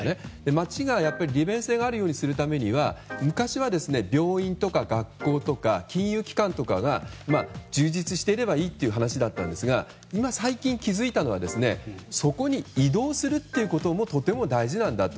街の利便性があるようにするには昔は病院や学校、金融機関などが充実していればいいという話だったんですが最近、気づいたのはそこに移動するということもとても大事なんだと。